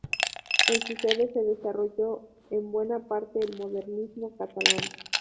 En su sede se desarrolló en buena parte el modernismo catalán.